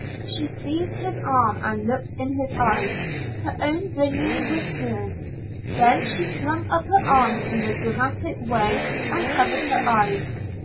She seized his arm and looked in his eyes, her own brimming with tears. Then she flung up her arms in her dramatic way, and covered her eyes.